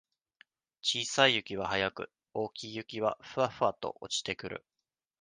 小さい雪は早く、大きい雪は、ふわふわと落ちてくる。